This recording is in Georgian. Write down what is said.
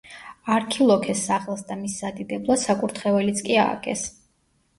არქილოქეს სახელს და მის სადიდებლად საკურთხეველიც კი ააგეს.